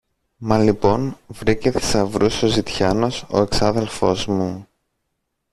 Μα λοιπόν βρήκε θησαυρούς ο ζητιάνος ο εξάδελφος μου;